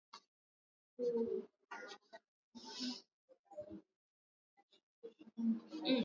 kutakuwa na manufaa kutakuwa na manufaa katika chombo hichi kwa sababu